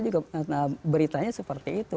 juga beritanya seperti itu